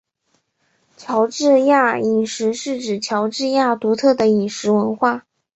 乔治亚饮食是指乔治亚独特的饮食文化。